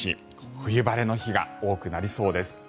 冬晴れの日が多くなりそうです。